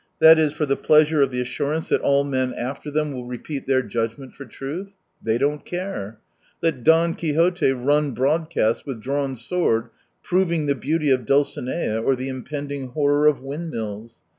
that is, for the pleasure of the assurance that all men after them will repeat their judgment for truth f They don't care. Let Don Quixote run broadcast with drawn sword, proving the beauty of Dulcinea or the impending horror of windmills.